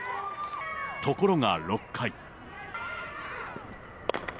ところが６回。